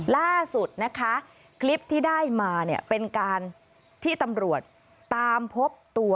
ล่าสุดนะคะคลิปที่ได้มาเนี่ยเป็นการที่ตำรวจตามพบตัว